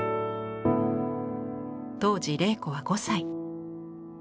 当時麗子は５歳。